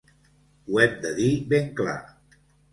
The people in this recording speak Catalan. Ho hem de dir ben clar.